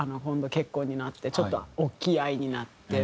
結婚になってちょっと大きい愛になってみたいな。